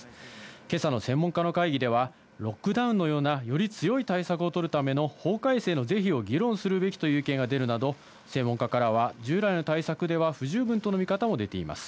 けさの専門家の会議では、ロックダウンのような、より強い対策を取るための法改正の是非を議論するべきという意見が出るなど、専門家からは従来の対策では不十分との見方も出ています。